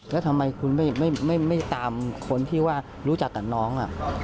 แล้วทำไมคุณไม่ตามคนที่ว่ารู้จักกับน้อง